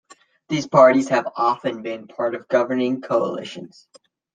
These parties have often been part of governing coalitions.